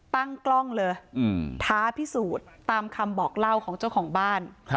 ตั้งกล้องเลยท้าพิสูจน์ตามคำบอกเล่าของเจ้าของบ้าน